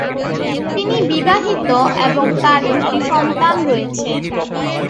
তিনি বিবাহিত, এবং তার দুটি সন্তান রয়েছে।